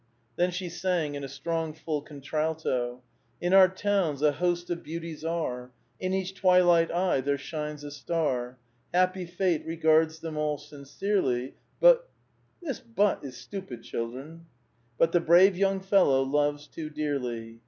Then she sang in a strong, full contralto :—<' In our towns, a host of beauties are ; In each twilight eye there shines a star. ^ Happy fate regards them all sincerely, But —" This hut is stupid, children, — But the brave young fellow loves too dearly.